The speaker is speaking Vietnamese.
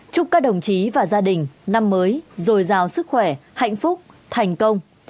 chúc các đồng chí và gia đình năm mới rồi giàu sức khỏe hạnh phúc thành công